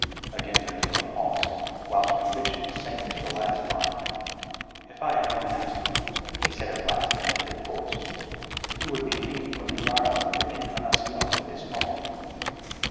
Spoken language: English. Again there came a pause, whilst conviction sank into the lad's mind. "If I had known that," he said at last in a thick voice, "you would be hanging from the yardarm of the Encarnacion at this moment."